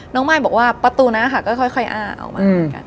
มายบอกว่าประตูนั้นค่ะก็ค่อยอ้าออกมาเหมือนกัน